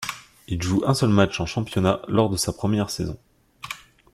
Il joue un seul match en championnat lors de sa première saison.